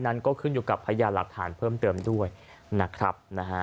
นั้นก็ขึ้นอยู่กับพยานหลักฐานเพิ่มเติมด้วยนะครับนะฮะ